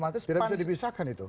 tidak bisa dibisarkan itu